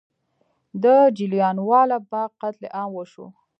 د جلیانواله باغ قتل عام وشو.